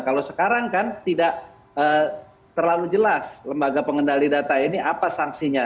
kalau sekarang kan tidak terlalu jelas lembaga pengendali data ini apa sanksinya